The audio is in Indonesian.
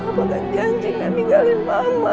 kenapa gak janji gak meninggalin mama